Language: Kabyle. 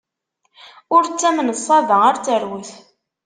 Ur ttamen ṣṣaba ar terwet!